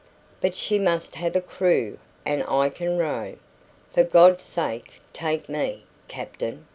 "But she must have a crew, and I can row. For God's sake take me, captain!"